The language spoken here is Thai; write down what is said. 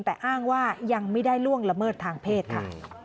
แต่อ้างว่ายังไม่ได้ล่วงละเมิดทางเพศค่ะ